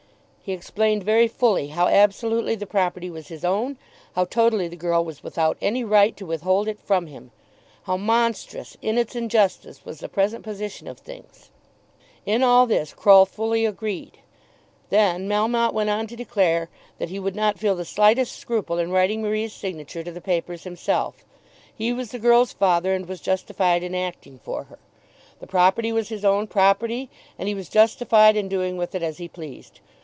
He explained very fully how absolutely the property was his own, how totally the girl was without any right to withhold it from him! How monstrous in its injustice was the present position of things! In all this Croll fully agreed. Then Melmotte went on to declare that he would not feel the slightest scruple in writing Marie's signature to the papers himself. He was the girl's father and was justified in acting for her. The property was his own property, and he was justified in doing with it as he pleased.